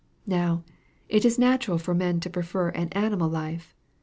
"Now, it is natural for men to prefer an animal life.